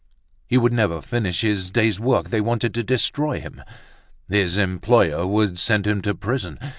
_ he would never finish his day's work, they wanted to destroy him, his employer would send him to prison.